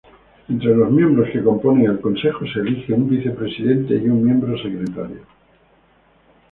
Entre los miembros que componen el Consejo se elige un vicepresidente y un miembro-secretario.